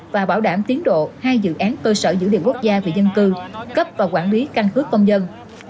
và bảo đảm tiến độ hai dự án cơ sở giữ liệu quốc gia về dân cư cấp và quản lý canh hước công dân